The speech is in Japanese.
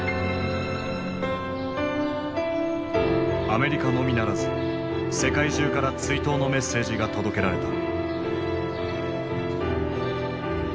アメリカのみならず世界中から追悼のメッセージが届けられた。